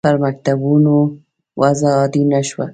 په مکتوبونو وضع عادي نه شوه.